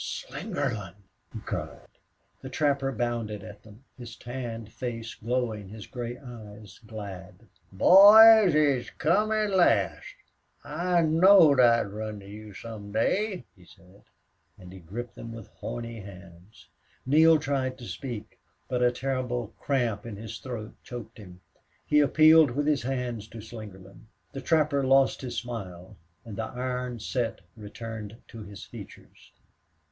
"Slingerland!" he cried. The trapper bounded at them, his tanned face glowing, his gray eyes glad. "Boys, it's come at last! I knowed I'd run into you some day," he said, and he gripped them with horny hands. Neale tried to speak, but a terrible cramp in his throat choked him. He appealed with his hands to Slingerland. The trapper lost his smile and the iron set returned to his features.